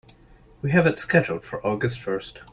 We have it scheduled for August first.